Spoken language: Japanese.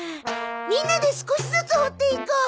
みんなで少しずつ掘っていこう！